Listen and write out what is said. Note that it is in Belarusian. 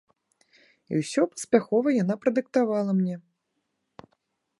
І ўсё паспяхова яна прадыктавала мне.